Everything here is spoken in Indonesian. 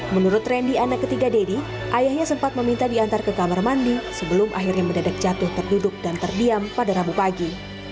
menurut randy anak ketiga deddy ayahnya sempat meminta diantar ke kamar mandi sebelum akhirnya mendadak jatuh terduduk dan terdiam pada rabu pagi